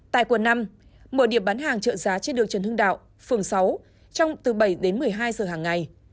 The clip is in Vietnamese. tại quần năm mở điểm bán hàng chợ giá trên đường trần hưng đạo phường sáu trong từ bảy một mươi hai giờ hàng ngày